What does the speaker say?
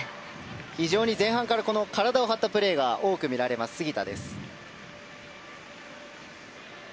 非常に前半から体を張ったプレーが多く見られる杉田です。